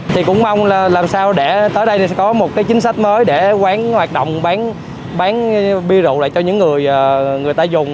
thì cũng mong là làm sao để tới đây thì có một cái chính sách mới để quán hoạt động bán bia rượu lại cho những người người ta dùng